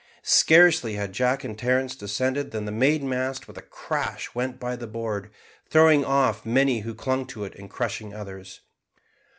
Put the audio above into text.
Scarcely had Jack and Terence descended than the mainmast with a crash went by the board, throwing off many who clung to it and crushing others.